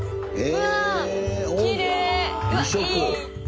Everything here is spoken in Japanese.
うわっいい！